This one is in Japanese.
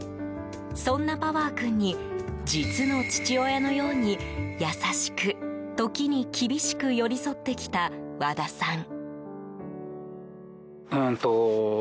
そんなパワー君に実の父親のように優しく、時に厳しく寄り添ってきた和田さん。